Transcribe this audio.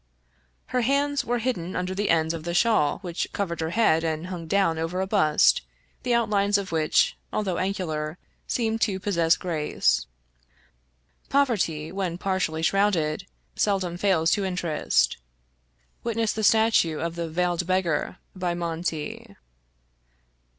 Her hands were hidden under the ends of the shawl which covered her head and hung down over a bust, the outlines of which, although angular, seemed to possess grace. Poverty, when partially shrouded, seldom fails to interest: witness the statue of the Veiled Beggar, by Monti.